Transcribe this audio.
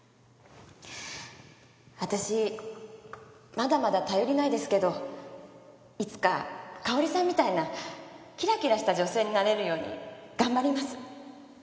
私まだまだ頼りないですけどいつか香織さんみたいなキラキラした女性になれるように頑張ります。